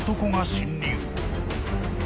［侵入］